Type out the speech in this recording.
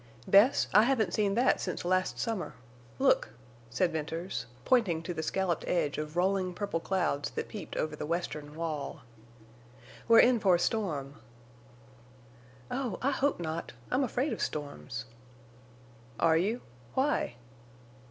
"Bess, I haven't seen that since last summer. Look!" said Venters, pointing to the scalloped edge of rolling purple clouds that peeped over the western wall. "We're in for a storm." "Oh, I hope not. I'm afraid of storms." "Are you? Why?"